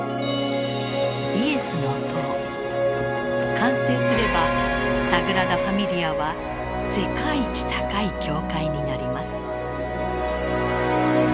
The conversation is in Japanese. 完成すればサグラダ・ファミリアは世界一高い教会になります。